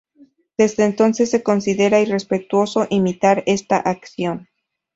Desde entonces se considera irrespetuoso imitar esta acción.